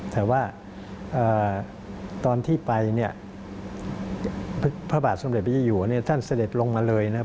แต่ว่าตอนที่ไปเนี่ยพระบาทสมเด็จพระเจ้าอยู่เนี่ยท่านเสด็จลงมาเลยนะครับ